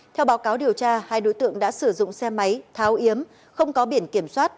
theo báo cáo điều tra hai đối tượng đã sử dụng xe máy tháo yếm không có biển kiểm soát